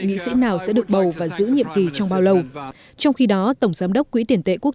nghị sĩ nào sẽ được bầu và giữ nhiệm kỳ trong bao lâu trong khi đó tổng giám đốc quỹ tiền tệ quốc